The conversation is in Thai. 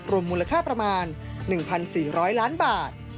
มูลค่าประมาณ๑๔๐๐ล้านบาท